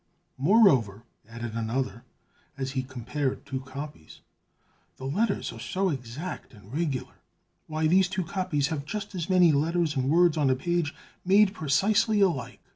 "Moreover," added another, as he compared two copies, "the letters are so exact and regular; why, these two copies have just as many letters and words on a page, made precisely alike!"